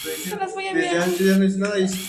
Él ataca y roba a ellos.